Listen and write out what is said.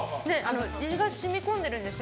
味が染み込んでるんですよ。